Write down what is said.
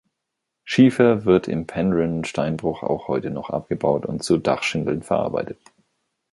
Schiefer wird im Penrhyn-Steinbruch auch heute noch abgebaut und zu Dachschindeln verarbeitet.